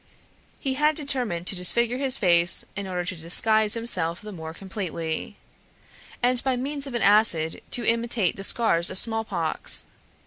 He had determined to disfigure his face in order to disguise himself the more completely, and by means of an acid to imitate the scars of smallpox.